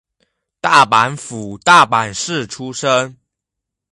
大阪府大阪市出身。